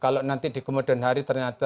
kalau nanti di kemudian hari ternyata